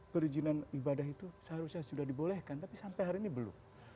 perizinan ibadah itu seharusnya sudah dibolehkan tapi sampai hari ini belum